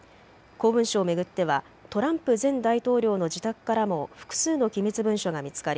公文書を巡ってはトランプ前大統領の自宅からも複数の機密文書が見つかり